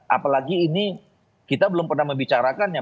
apalagi ini kita belum pernah membicarakannya